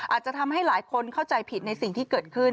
อาจจะทำให้หลายคนเข้าใจผิดในสิ่งที่เกิดขึ้น